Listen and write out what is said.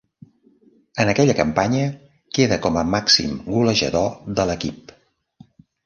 En aquella campanya queda com a màxim golejador de l'equip.